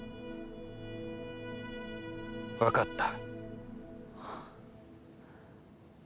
わかった。